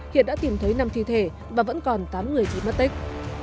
hiện đã tìm thấy năm thi thể và vẫn còn tám người bị mất tích